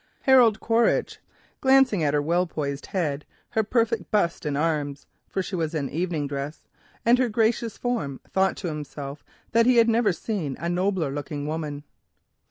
Harold Quaritch, glancing at her well poised head, her perfect neck and arms (for she was in evening dress) and her gracious form, thought to himself that he had never seen a nobler looking woman.